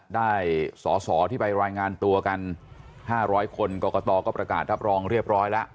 ได้สอสอที่ไปรายงานตัวกัน๕๐๐คนกรกตก็ประกาศรับรองเรียบร้อยแล้ว